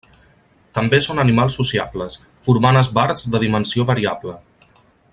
També són animals sociables, formant esbarts de dimensió variable.